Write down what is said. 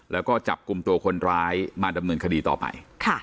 แล้วก็จับกลุ่มตัวคนร้ายมาดำเนินคดีต่อไป